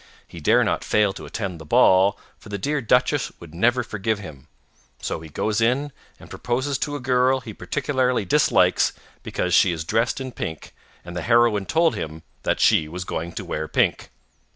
He dare not fail to attend the ball, for the dear Duchess would never forgive him; so he goes in and proposes to a girl he particularly dislikes because she is dressed in pink, and the heroine told him that she was going to wear pink.